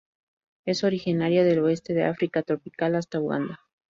Es originaria del oeste de África tropical hasta Uganda.